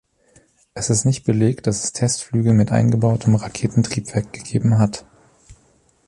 Es ist nicht belegt, dass es Testflüge mit eingebauten Raketentriebwerk gegeben hat.